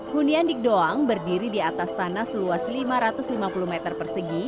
hunian dik doang berdiri di atas tanah seluas lima ratus lima puluh meter persegi